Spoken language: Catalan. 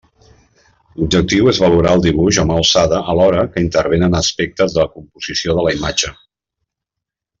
L'objectiu és valorar el dibuix a mà alçada alhora que intervenen aspectes de composició de la imatge.